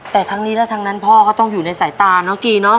แต่ทั้งนี้และทั้งนั้นพ่อก็ต้องอยู่ในสายตาน้องกีเนอะ